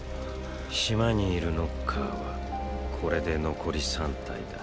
島にいるノッカーはこれで残り３体だ。